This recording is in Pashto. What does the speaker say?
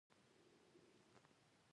د انجنیری د نصاب مهم مضامین درې ډوله دي.